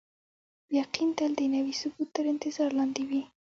یقین تل د نوي ثبوت تر انتظار لاندې وي.